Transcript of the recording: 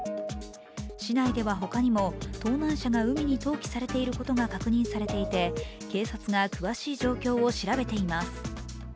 市内では他にも、盗難車が海に投棄されていることが確認されていて、警察が詳しい状況を調べています。